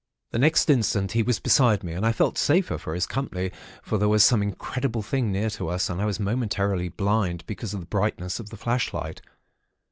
"The next instant he was beside me, and I felt safer for his company; for there was some incredible thing near to us, and I was momentarily blind, because of the brightness of the flashlight.